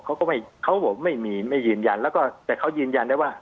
เขาก็ไม่เขาบอกไม่มีไม่ยืนยันแล้วก็แต่เขายืนยันได้ว่า